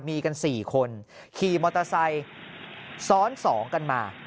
มีกัน๔คนขี่มอเตอร์ไซค์ซ้อน๒กันมา